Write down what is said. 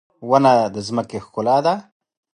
• ونه د ځمکې ښکلا ده.